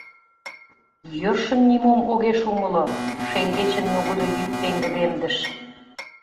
— Йӧршын нимом огеш умыло, — шеҥгечын нугыдо йӱк пеҥгыдемдыш.